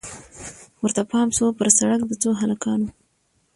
ورته پام سو پر سړک د څو هلکانو